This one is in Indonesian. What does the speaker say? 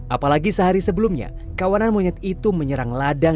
apalagi sehari sebelumnya kawanan monyet itu menyerang ladang